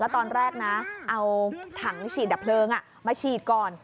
ตอนแรกนะเอาถังฉีดดับเพลิงมาฉีดก่อน